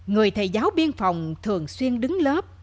người thầy giáo biên phòng thường xuyên đứng lớp